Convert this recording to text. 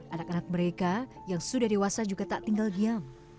anak anak mereka yang sudah dewasa juga tak tinggal diam